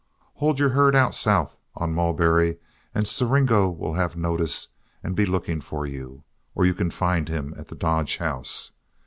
Hold your herd out south on Mulberry, and Siringo will have notice and be looking for you, or you can find him at the Dodge House.